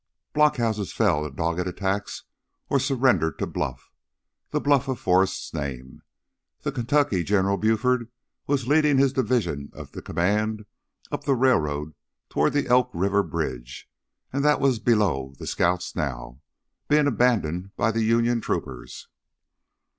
Blockhouses fell to dogged attack or surrendered to bluff, the bluff of Forrest's name. The Kentucky General Buford was leading his division of the command up the railroad toward the Elk River Bridge and that was below the scouts now, being abandoned by the Union troopers.